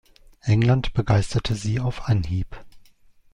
England begeisterte sie auf Anhieb.